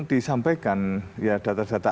disampaikan ya data data